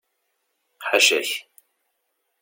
Ḥaca-k!